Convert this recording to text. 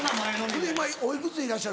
今おいくつでいらっしゃる？